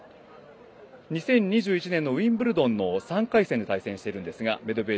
２０２１年のウィンブルドンの３回戦で対戦しているんですがメドべー